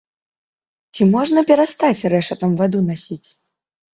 Ці можна перастаць рэшатам ваду насіць?